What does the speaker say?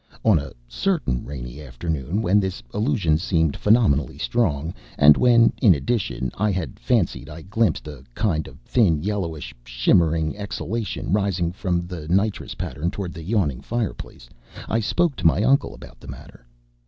On a certain rainy afternoon when this illusion seemed phenomenally strong, and when, in addition, I had fancied I glimpsed a kind of thin, yellowish, shimmering exhalation rising from the nitrous pattern toward the yawning fireplace, I spoke to my uncle about the matter.